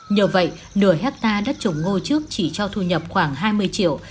nhờ vậy nửa hectare đất trồng ngô trước chỉ cho thu nhập khoảng hai mươi triệu